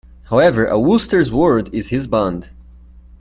However, a Wooster's word is his bond.